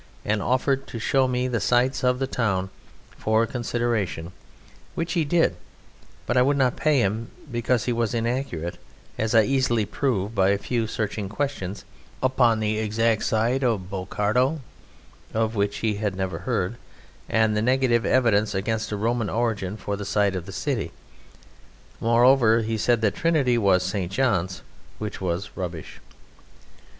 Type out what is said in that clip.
and offered to show me the sights of the town for a consideration, which he did, but I would not pay him because he was inaccurate, as I easily proved by a few searching questions upon the exact site of Bocardo (of which he had never heard), and the negative evidence against a Roman origin for the site of the city. Moreover, he said that Trinity was St. John's, which was rubbish.